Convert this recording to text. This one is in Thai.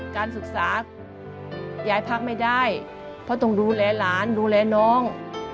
การศึกษายายพักไม่ได้เพราะต้องดูแลหลานดูแลน้อง